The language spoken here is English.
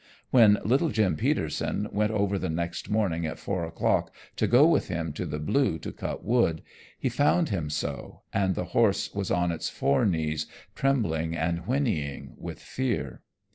When little Jim Peterson went over the next morning at four o'clock to go with him to the Blue to cut wood, he found him so, and the horse was on its fore knees, trembling and whinnying with fear.